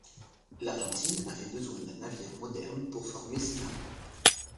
L'Argentine avait besoin d'un navire moderne pour former ses marins.